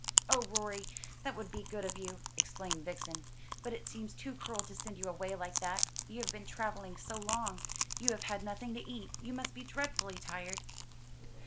"Oh, Rorie, that would be good of you!" exclaimed Vixen. "But it seems too cruel to send you away like that; you have been travelling so long. You have had nothing to eat. You must be dreadfully tired."